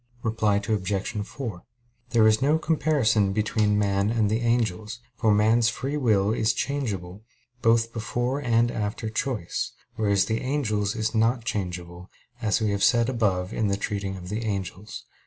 Reply Obj. 4: There is no comparison between man and the angels; for man's free will is changeable, both before and after choice; whereas the angel's is not changeable, as we have said above in treating of the angels (Q.